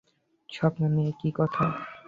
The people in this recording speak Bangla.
স্বপ্ন নিয়ে কী কথা?